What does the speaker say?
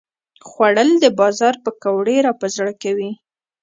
خوړل د بازار پکوړې راپه زړه کوي